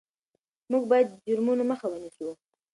موږ باید د جرمونو مخه ونیسو.